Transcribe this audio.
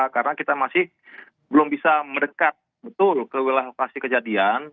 karena kita masih belum bisa mendekat betul ke wilayah lokasi kejadian